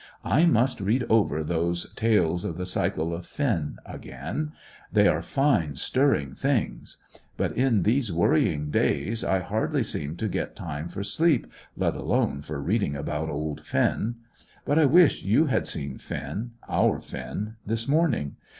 I must read over those 'Tales of the Cycle of Finn' again; they are fine, stirring things. But in these worrying days I hardly seem to get time for sleep, let alone for reading about old Finn. But I wish you had seen Finn our Finn this morning.